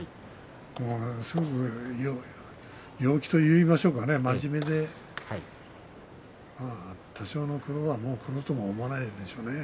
すごく陽気といいましょうか、真面目で多少の苦労は苦労とも思わないでしょうね。